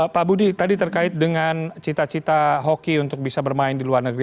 pak budi tadi terkait dengan cita cita hoki untuk bisa bermain di luar negeri